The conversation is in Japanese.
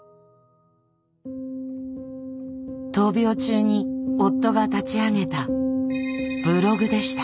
闘病中に夫が立ち上げたブログでした。